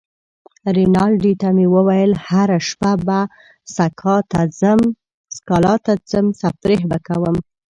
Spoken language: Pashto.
رینالډي ته مې وویل: هره شپه به سکالا ته ځم، تفریح به کوم.